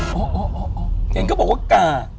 เห็นแล้วก็บอกว่ากา